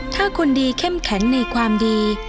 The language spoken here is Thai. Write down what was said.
ถ้าคนดีเข้มแข็งในความดี